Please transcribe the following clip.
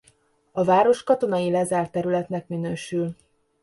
A város katonai lezárt területnek minősül.